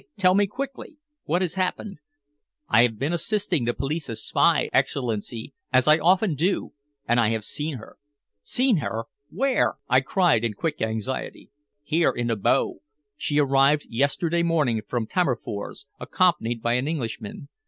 Tell me quickly. What has happened?" "I have been assisting the police as spy, Excellency, as I often do, and I have seen her." "Seen her! Where?" I cried in quick anxiety. "Here, in Abo. She arrived yesterday morning from Tammerfors accompanied by an Englishman.